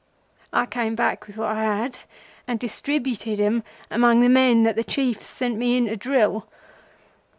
I came back with what I had, and distributed 'em among the men that the Chiefs sent in to me to drill.